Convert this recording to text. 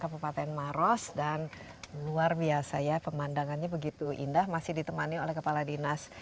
kabupaten maros dan luar biasa ya pemandangannya begitu indah masih ditemani oleh kepala dinas